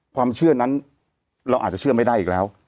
ความเชื่อนั้นเราอาจจะเชื่อไม่ได้อีกแล้ว